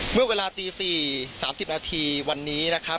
เมื่อเวลาตี๔๓๐นาทีวันนี้นะครับ